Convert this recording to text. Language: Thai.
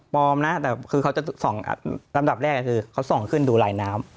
นะแต่คือเขาจะส่องลำดับแรกคือเขาส่องขึ้นดูลายน้ำ